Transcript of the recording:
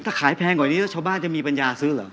ถ้าขายแพงกว่านี้แล้วชาวบ้านจะมีปัญญาซื้อเหรอ